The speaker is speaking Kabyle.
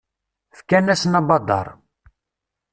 Fkan-asen abadaṛ.